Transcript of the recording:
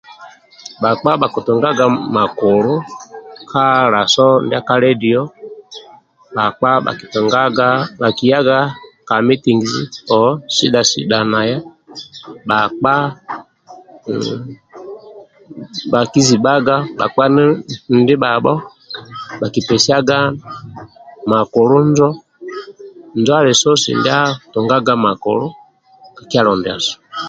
Bhakpa bhakitungaga makulu ka laso ndiaka ledio bhakpa bhakitungaga bhakiyaga ka mitingizi oo sidha sidhana bhakpa bhakizibaga bhakpa ndibhao bhakipesiaga makulu injo injo ali sosi ndia tungaga makulu ka kyalo ndiasu